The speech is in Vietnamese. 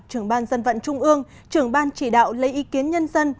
trưởng ban dân vận trung ương trưởng ban chỉ đạo lấy ý kiến nhân dân